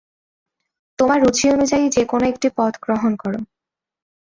তোমার রুচি অনুযায়ী যে-কোন একটি পথ গ্রহণ কর।